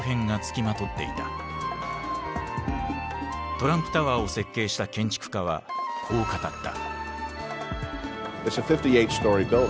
トランプタワーを設計した建築家はこう語った。